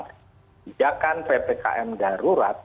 kebijakan ppkm darurat